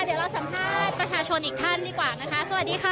เดี๋ยวเราสัมภาษณ์ประชาชนอีกท่านดีกว่านะคะสวัสดีค่ะ